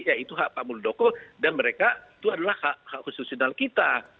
yaitu hak pak muldoko dan mereka itu adalah hak hak konstitusional kita